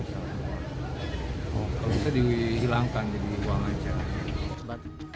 kalau bisa dihilangkan jadi uang aja